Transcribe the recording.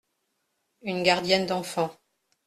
Une gardienne d’enfants.